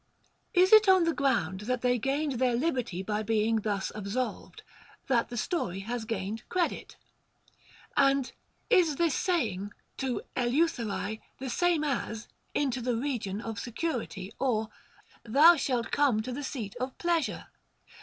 Is it on the ground that they gained their liberty by being thus absolved, that the story has gained THE GREEK QUESTIONS. 283 credit X And is this saying " to Eleutherae " the same as " into the region of security," or " thou shalt come to the seat of pleasure'"?